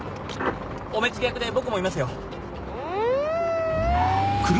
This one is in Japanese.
お目付け役で僕もいますよ。